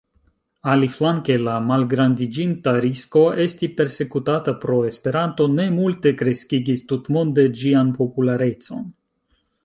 Aliflanke, la malgrandiĝinta risko esti persekutata pro Esperanto, ne multe kreskigis tutmonde ĝian popularecon.